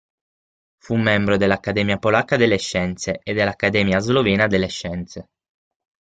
Fu membro dell'Accademia polacca delle scienze e dell'Accademia slovena delle scienze